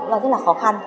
cũng rất là khó khăn